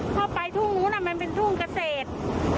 ถ้าไปทุ่งนู้นมันเป็นทุ่งเกษตร